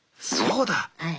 そうだ。